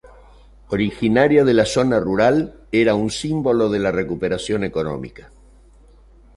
Originaria de la zona rural, era un símbolo de la recuperación económica.